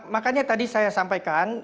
makanya tadi saya sampaikan